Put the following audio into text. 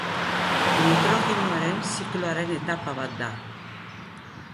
Nitrogenoaren zikloaren etapa bat da.